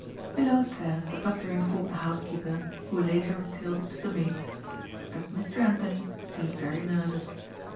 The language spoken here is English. Below stairs the butler informed the housekeeper, who later retailed it to maids, that Mr. Anthony seemed very nervous.